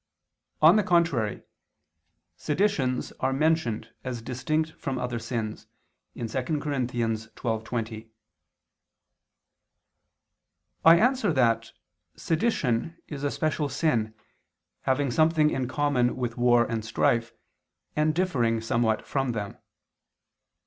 On the contrary, Seditions are mentioned as distinct from other sins (2 Cor. 12:20). I answer that, Sedition is a special sin, having something in common with war and strife, and differing somewhat from them.